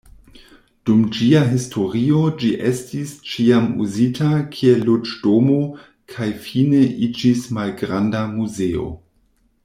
Dum ĝia historio ĝi estis ĉiam uzita kiel loĝdomo kaj fine iĝis malgranda muzeo.